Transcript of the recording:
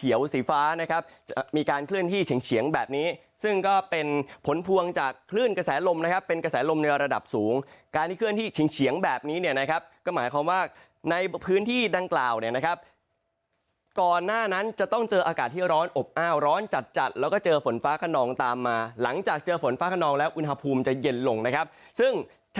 สีฟ้านะครับจะมีการเคลื่อนที่เฉียงแบบนี้ซึ่งก็เป็นผลพวงจากคลื่นกระแสลมนะครับเป็นกระแสลมในระดับสูงการที่เคลื่อนที่เฉียงแบบนี้เนี่ยนะครับก็หมายความว่าในพื้นที่ดังกล่าวเนี่ยนะครับก่อนหน้านั้นจะต้องเจออากาศที่ร้อนอบอ้าวร้อนจัดจัดแล้วก็เจอฝนฟ้าขนองตามมาหลังจากเจอฝนฟ้าขนองแล้วอุณหภูมิจะเย็นลงนะครับซึ่งช